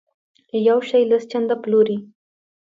یو شی لس چنده پلوري.